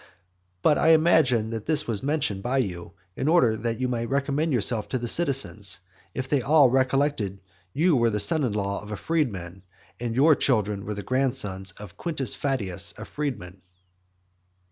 But I imagine that this was mentioned by you, in order that you might recommend yourself to the citizens, if they all recollected that you were the son in law of a freedman, and that your children were the grandsons of Quintus Fadius a freedman.